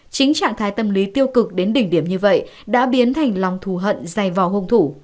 chính trạng thái tâm lý tiêu cực đến đỉnh điểm như vậy đã biến thành lòng thù hận dày vào hung thủ